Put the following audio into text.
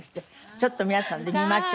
ちょっと皆さんで見ましょう。